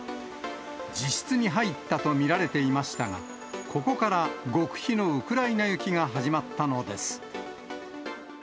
自室に入ったと見られていましたが、ここから極秘のウクライナ行きが始まったのです。